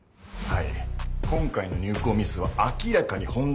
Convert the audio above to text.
はい。